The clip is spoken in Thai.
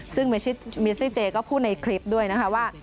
ซึ่งเมซี่เจก็พูดในคลิปด้วยนะคะว่า